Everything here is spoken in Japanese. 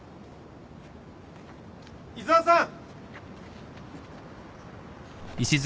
井沢さん！